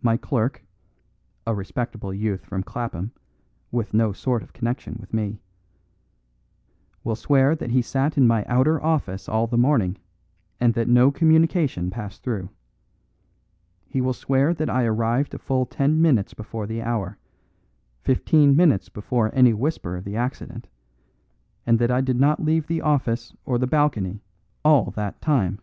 My clerk (a respectable youth from Clapham, with no sort of connection with me) will swear that he sat in my outer office all the morning, and that no communication passed through. He will swear that I arrived a full ten minutes before the hour, fifteen minutes before any whisper of the accident, and that I did not leave the office or the balcony all that time.